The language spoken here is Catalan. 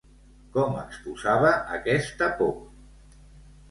Com exposava aquesta por?